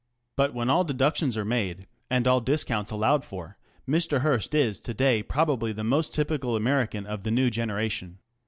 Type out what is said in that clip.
But when all deductions are made and all discounts allowed for, Mr. Hearst is to day probably the most typical American of the new generation.